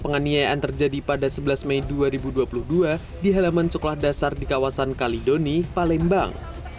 penganiayaan terjadi pada sebelas mei dua ribu dua puluh dua di halaman sekolah dasar di kawasan kalidoni palembang